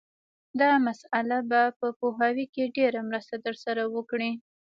دا مسأله به په پوهاوي کې ډېره مرسته در سره وکړي